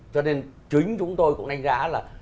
cho nên chính chúng tôi cũng đánh giá là